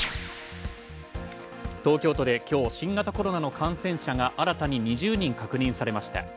東京都で今日、新型コロナの感染者が新たに２０人確認されました。